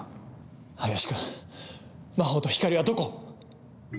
林君、真帆と光莉はどこ？